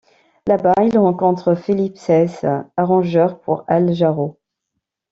Là-bas, il rencontre Philippe Saisse, arrangeur pour Al Jarreau.